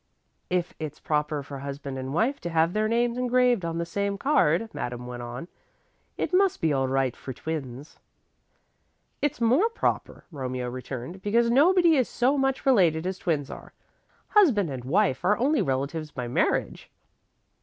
"If it's proper for husband and wife to have their names engraved on the same card," Madame went on, "it must be all right for twins." "It's more proper," Romeo returned, "because nobody is so much related as twins are. Husband and wife are only relatives by marriage."